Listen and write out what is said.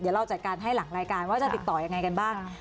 เดี๋ยวเราจัดการให้หลังรายการว่าจะติดต่อยังไงกันบ้าง